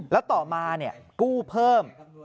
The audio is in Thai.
แล้วต่อมากู้เพิ่ม